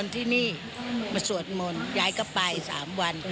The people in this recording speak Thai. สวนที่นี่มาสวนมนต์ยายก็ไปสามวัน